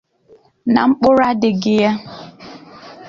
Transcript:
nà mkpụrụ adịghị ya.